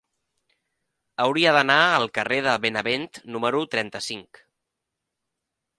Hauria d'anar al carrer de Benavent número trenta-cinc.